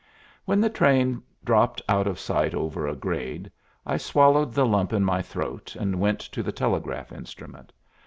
When the train dropped out of sight over a grade, I swallowed the lump in my throat and went to the telegraph instrument.